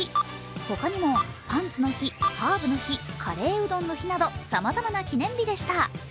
他にもパンツの日、ハーブの日カレーうどんの日などさまざまな記念日でした。